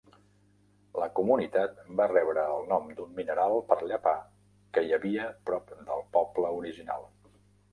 La comunitat va rebre el nom d'un mineral per llepar que hi havia prop del poble original.